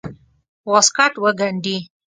واسکټ وګنډي.